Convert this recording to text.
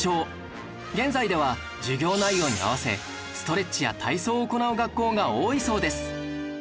現在では授業内容に合わせストレッチや体操を行う学校が多いそうです